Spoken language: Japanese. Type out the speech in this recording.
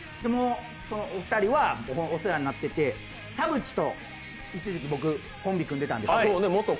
このお二人は、お世話になってて田渕と一時期、僕、コンビ組んでたんです。